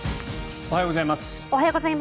おはようございます。